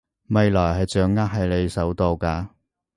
未來係掌握喺你手度㗎